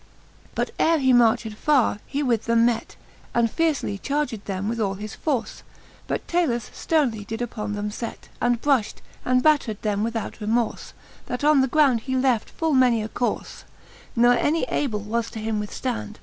VIL But ere he marched farre, he with them met, And fiercely charged them with all his force ; But Talus flernely upon them did fet, And brufht and battred them without remorfe, That on the ground he left full many a corfe j Ne any able was him to withftand.